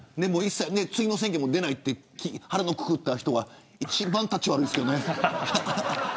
次の選挙も出ないと腹をくくった人が一番たちが悪いですよね。